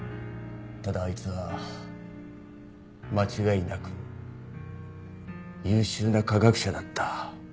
ただあいつは間違いなく優秀な科学者だった。